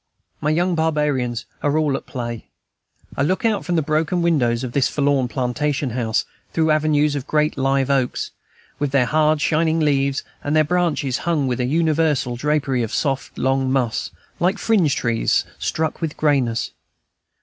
My young barbarians are all at play. I look out from the broken windows of this forlorn plantation house, through avenues of great live oaks, with their hard, shining leaves, and their branches hung with a universal drapery of soft, long moss, like fringe trees struck with grayness.